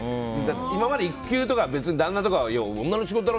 今まで育休とか旦那とかは女の仕事だ！